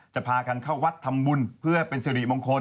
จะพากันเข้าวัดทำบุญเพื่อเป็นสิริมงคล